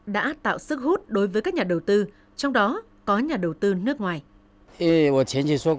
đã tạo sức hút đối với các nhà đầu tư trong đó có nhà đầu tư nước ngoài